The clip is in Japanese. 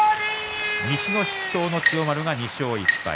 西の筆頭の千代丸が２勝１敗。